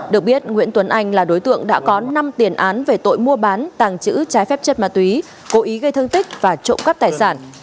được biết nguyễn tuấn anh là đối tượng đã có năm tiền án về tội mua bán tàng trữ trái phép chất ma túy cố ý gây thương tích và trộm cắp tài sản